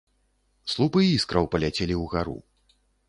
Слупы іскраў паляцелі ўгару.